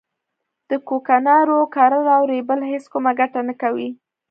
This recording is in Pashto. د کوکنارو کرل او رېبل هیڅ کومه ګټه نه کوي